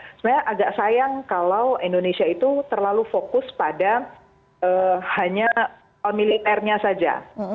sebenarnya agak sayang kalau indonesia itu terlalu fokus pada hanya militernya saja